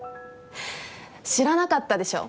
知らなかったでしょ。